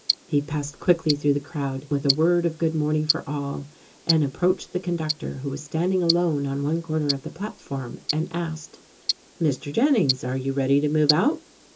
He passed quickly through the crowd with a word of good morning for all, and approached the conductor who was standing alone on one corner of the platform and asked, "Mr. Jennings, are you ready to move out?"